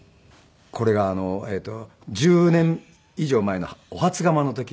これが１０年以上前のお初釜の時の。